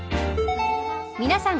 皆さん